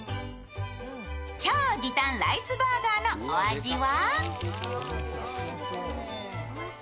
超時短ライスバーガーのお味は？